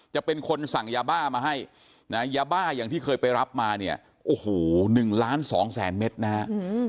จะเป็นคนสั่งยาบ้ามาให้นะยาบ้าอย่างที่เคยไปรับมาเนี่ยโอ้โห๑ล้าน๒แสนเมตรนะฮะ